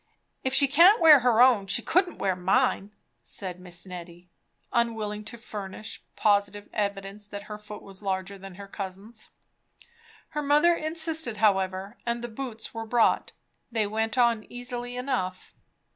"If she can't wear her own, she couldn't wear mine " said Miss Nettie, unwilling to furnish positive evidence that her foot was larger than her cousin's. Her mother insisted however, and the boots were brought. They went on easily enough.